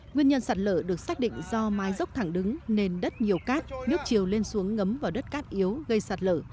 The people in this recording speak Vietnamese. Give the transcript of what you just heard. nguyên nhân sạt lở được xác định do mái dốc thẳng đứng nên đất nhiều cát nước chiều lên xuống ngấm vào đất cát yếu gây sạt lở